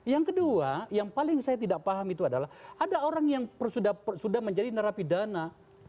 yang kedua yang paling saya tidak paham itu adalah ada orang yang sudah menjadi narapidana